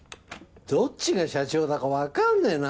どっちが社長だかわかんねえな。